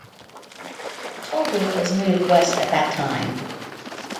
The toll booth was moved west at that time.